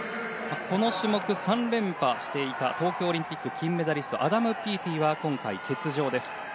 この種目３連覇していた東京オリンピック金メダリストアダム・ピーティは今回、欠場です。